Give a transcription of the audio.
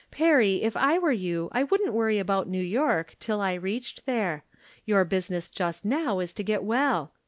Perry, if I were you I wouldn't worry about New York tUl I reached there. Your business just now is to get well.